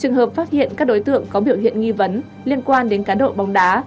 trường hợp phát hiện các đối tượng có biểu hiện nghi vấn liên quan đến cá độ bóng đá